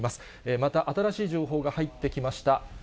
また新しい情報が入ってきました。